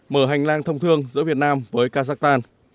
mở hành lang thông thương giữa việt nam với kazakhstan